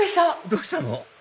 どうしたの？